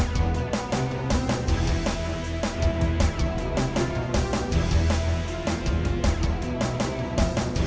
kita ke rumah diru dulu